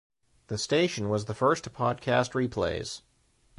The station was the first to podcast replays.